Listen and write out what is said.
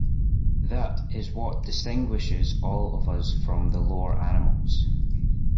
That is what distinguishes all of us from the lower animals.